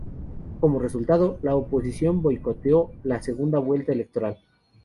Como resultado, la oposición boicoteó la segunda vuelta electoral.